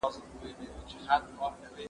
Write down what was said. زه کولای سم واښه راوړم،